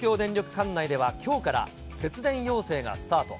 管内ではきょうから、節電要請がスタート。